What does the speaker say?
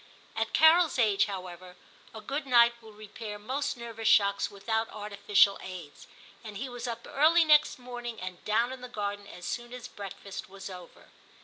At Carol's age, however, a good night will repair most nervous shocks without artificial aids, and he was up early next morning, and down in the garden as soon as breakfast was over.